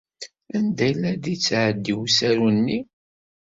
Anda ay la d-yettɛeddi usaru-nni?